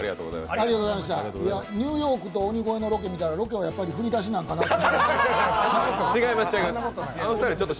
ニューヨークと鬼越のロケを見たら、ロケって振り出しなのかなと。